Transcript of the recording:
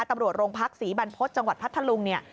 ตำรวจโรงพักศรีบรรพฤษจังหวัดพัทธลุงเนี่ย